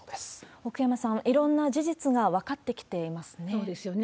奥山さん、いろんな事実が分かってきていますね。